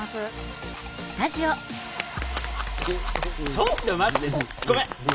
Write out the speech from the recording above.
ちょっと待ってごめん。